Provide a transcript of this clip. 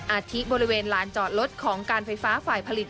อาทิบริเวณลานจอดรถของการไฟฟ้าฝ่ายผลิต